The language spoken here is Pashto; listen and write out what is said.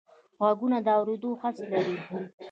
غوږونه د اوریدلو حس لري